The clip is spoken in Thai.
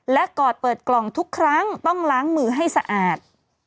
และกอดเปิดกล่องทุกครั้งต้องล้างมือให้สะอาด